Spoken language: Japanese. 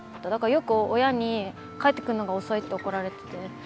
だからよく親に帰ってくるのが遅いって怒られてて。